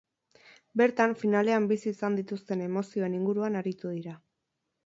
Bertan, finalean bizi izan dituzten emozioen inguruan aritu dira.